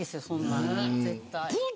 そんな、絶対。